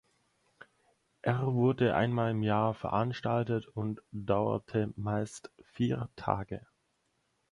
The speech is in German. Er wurde einmal im Jahr veranstaltet und dauerte meist vier Tage.